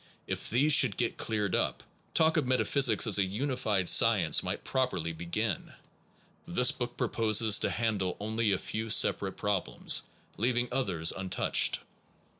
If these should get cleared up, talk of met aphysics as a unified science might properly be gin. This book proposes to handle only a few separate problems, leaving others untouched.